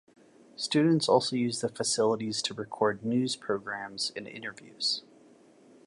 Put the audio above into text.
Students also use the facilities to record news programs and interviews.